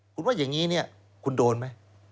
คุณว่าอย่างนี้เนี่ยคุณโดนไหม